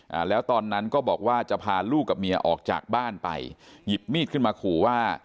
อ่าแล้วตอนนั้นก็บอกว่าจะพาลูกกับเมียออกจากบ้านไปหยิบมีดขึ้นมาขู่ว่า